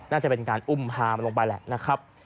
น่าจะเป็นการอุ่มพามันลงไปแหละ